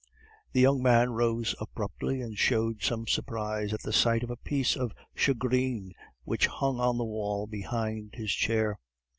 The young man rose abruptly, and showed some surprise at the sight of a piece of shagreen which hung on the wall behind his chair.